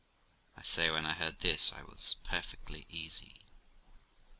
I say, when I heard this I was perfectly easy.